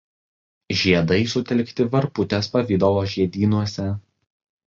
Žiedai sutelkti varputės pavidalo žiedynuose.